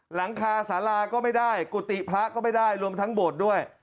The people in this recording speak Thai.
หลังคาสาราก็ไม่ได้กุฏิพระก็ไม่ได้รวมทั้งโบสถ์ด้วย